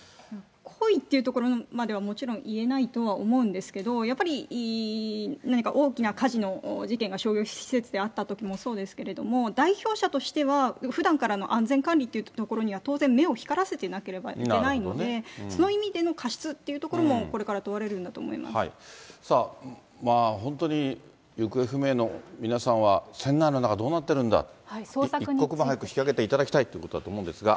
故意っていうところまではもちろん言えないとは思うんですけど、やっぱり何か、大きな火事の事件が商業施設であったときもそうですけれども、代表者としては、ふだんからの安全管理といったところには当然、目を光らせてなければいけないので、その意味での過失っていうところも、さあ、本当に行方不明の皆さんは、船内の中、どうなってるんだ、一刻も早く引き揚げていただきたいということだと思うんですが。